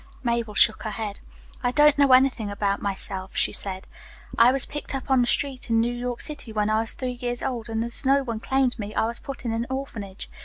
Mabel shook her head. "I don't know anything about myself," she said. "I was picked up on the street in New York City when I was three years old, and as no one claimed me, I was put in an orphanage.